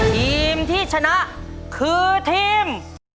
ทีมที่ชนะคือทีม